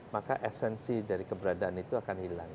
maka esensi dari keberadaan itu akan hilang